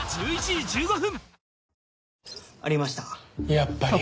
やっぱり。